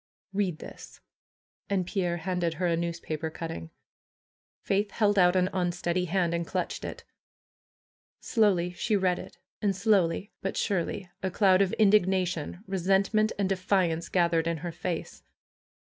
"Read this!" And Pierre handed her a newspaper cutting. Faith held out an unsteady hand and clutched it. Slowly she read it, and slowly, but surely a cloud of indignation, resentment, and defiance gathered in her face.